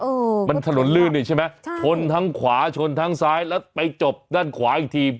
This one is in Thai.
เออมันถนนลื่นนี่ใช่ไหมใช่ชนทั้งขวาชนทั้งซ้ายแล้วไปจบด้านขวาอีกที